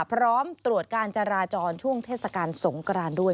พร้อมตรวจการจราจรช่วงเทศกาลสงกรานด้วย